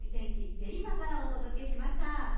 練馬からお届けしました。